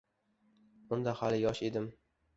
Unda hali yosh edim.